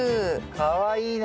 かわいいね。